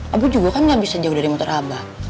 abah juga kan gak bisa jauh dari motor abah